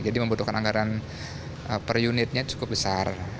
jadi membutuhkan anggaran per unitnya cukup besar